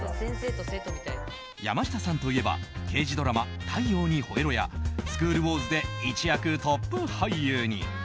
山下さんといえば刑事ドラマ「太陽にほえろ！」や「スクール・ウォーズ」で一躍トップ俳優に。